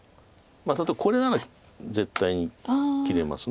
例えばこれなら絶対に切れます。